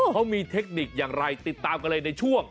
เขามีเทคนิคอย่างไรติดตามกันเลยในช่วง